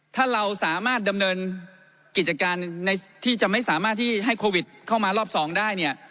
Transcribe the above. ถ้าเราสามารถดำเนินกิจการในที่จะไม่สามารถที่ให้โควิดเข้ามารอบ๒ได้เนี่ย